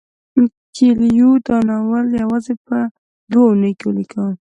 کویلیو دا ناول یوازې په دوه اونیو کې ولیکه.